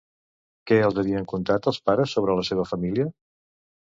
Què els havien contat els pares sobre la seva família?